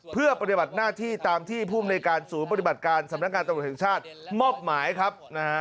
เพื่อปฏิบัติหน้าที่ตามที่ภูมิในการศูนย์ปฏิบัติการสำนักงานตำรวจแห่งชาติมอบหมายครับนะฮะ